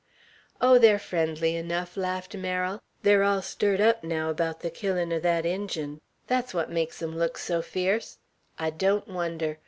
"Oh, they're friendly enough," laughed Merrill. "They're all stirred up, now, about the killin' o' that Injun; that's what makes 'em look so fierce. I don't wonder!